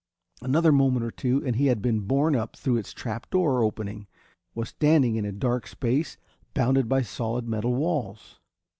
Another moment or two and he had been borne up through its trap door opening, was standing in a dark space bounded by solid metal walls.